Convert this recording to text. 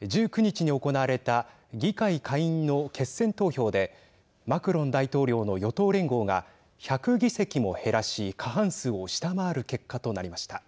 １９日に行われた議会下院の決選投票でマクロン大統領の与党連合が１００議席も減らし過半数を下回る結果となりました。